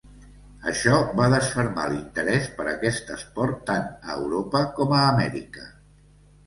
Això va desfermar l'interès per aquest esport tant a Europa com a Amèrica.